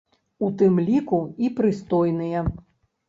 У тым ліку і прыстойныя.